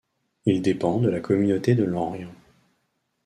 Il dépend de la communauté de Llanrhian.